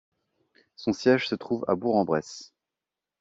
Son siège se trouve à Bourg-en-Bresse.